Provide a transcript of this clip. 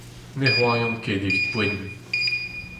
Ne c’hoarian ket, evit poent !